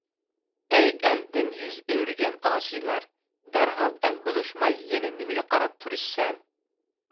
ئەي! ئەلدىن يۈز ئۆرۈگەن ئاسىيلار، دەرھال ئەل بولۇشماي يەنە نېمىگە قاراپ تۇرۇشىسەن!